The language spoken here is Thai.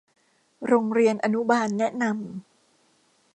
โรงเรียนอนุบาลแนะนำ